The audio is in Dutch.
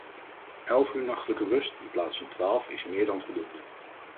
Elf uur nachtelijke rust in plaats van twaalf is meer dan voldoende.